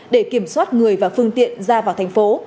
để kiểm soát người và phương tiện ra vào thành phố